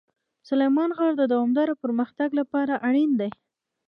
سلیمان غر د دوامداره پرمختګ لپاره اړین دی.